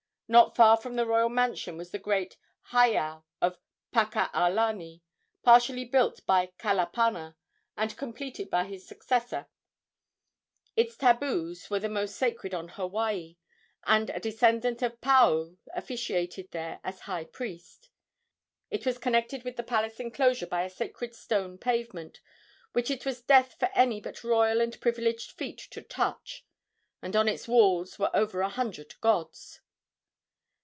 Not far from the royal mansion was the great heiau of Pakaalani, partially built by Kalapana, and completed by his successor. Its tabus were the most sacred on Hawaii, and a descendant of Paao officiated there as high priest. It was connected with the palace enclosure by a sacred stone pavement, which it was death for any but royal and privileged feet to touch, and on its walls were over a hundred gods.